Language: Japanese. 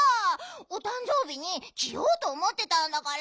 おたんじょうびにきようとおもってたんだから。